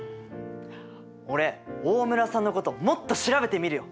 俺大村さんのこともっと調べてみるよ！